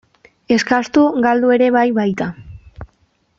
Eskastu galdu ere bai baita.